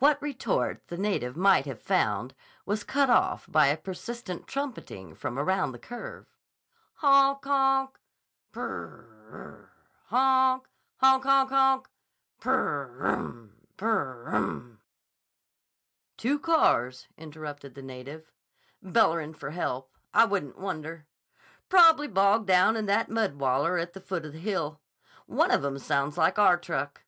What retort the native might have found was cut off by a persistent trumpeting from around the curve. "Honk honk! Prr rr rrump! Honk! Honk honk honk! Prr rr rrump, prr rr rramp!" "Two cars," interpreted the native. "Bel lerin' fer help, I wouldn't wonder. Prob'ly bogged down in that mud waller at the foot of the hill. One of 'em sounds like our truck."